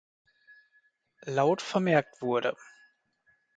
Loud vermerkt wurde.